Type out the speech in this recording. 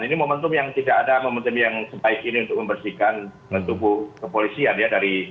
ini momentum yang tidak ada momentum yang sebaik ini untuk membersihkan tubuh kepolisian ya